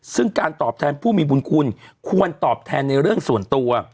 ซึ่งการตอบแทนผู้มีบุญคุณควรตอบแทนในเรื่องส่วนตัว